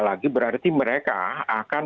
lagi berarti mereka akan